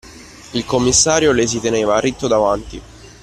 Il commissario, le si teneva ritto davanti.